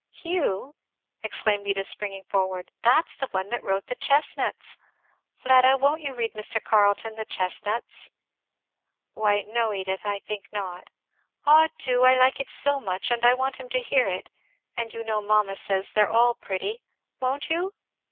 "Hugh!" exclaimed Edith springing forward, "that's the one that wrote the Chestnuts! Fleda, won't you read Mr. Carleton the Chestnuts?" "Why no, Edith, I think not." "Ah do! I like it so much, and I want him to hear it, and you know mamma says they're all pretty. Won't you?"